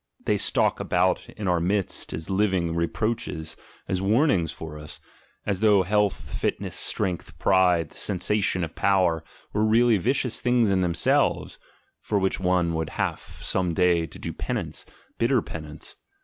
They stalk about in our midst as living re proaches, as warnings to us — as though health, fitness, strength, pride, the sensation of power, were really vicious things in themselves, for which one would have some day to do penance, bitter penance.